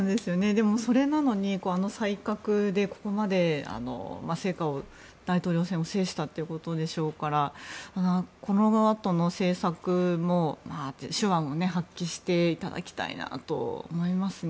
でも、それなのにあの才覚でここまで成果を、大統領選を制したということでしょうからこのあとの政策も手腕を発揮していただきたいなと思いますね。